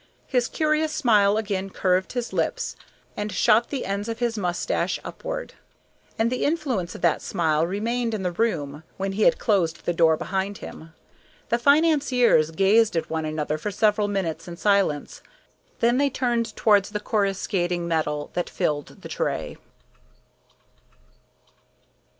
His curious smile again curved his lips and shot the ends of his mustache upward, and the influence of that smile remained in the room when he had closed the door behind him. The financiers gazed at one another for several minutes in silence, then they turned towards the coruscating metal that filled the tray.